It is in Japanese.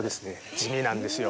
地味なんですよ。